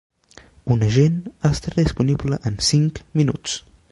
Un agent estarà disponible en cinc minuts.